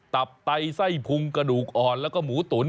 ตับไตไส้พุงกระดูกอ่อนแล้วก็หมูตุ๋น